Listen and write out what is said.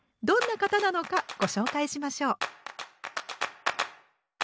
どんな方なのかご紹介しましょう。